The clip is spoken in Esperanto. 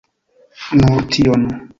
Nur tion.